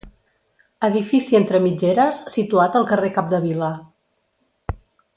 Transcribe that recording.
Edifici entre mitgeres situat al carrer Capdevila.